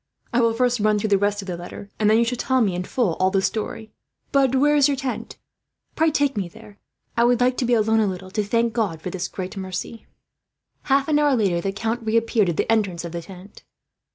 "I will first run through the rest of the letter; and then you shall tell me, in full, all the story. But which is your tent? Pray take me there. I would be alone, a little while, to thank God for this great mercy." Half an hour later, the count reappeared at the entrance of the tent.